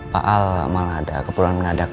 pak al malah ada keperluan menadak